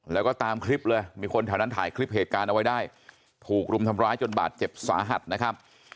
แล้วก็ตามคลิปเลยมีคนแถวนั้นถ่ายคลิปเหตุการณ์เอาไว้ได้ถูกรุมทำร้ายจนบาดเจ็บสาหัสนะครับ